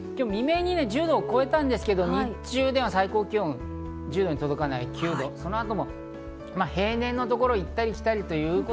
未明に今日１０度を超えたんですが、日中では最高気温１０度に届かない９度。その後も平年のところを行ったり来たり。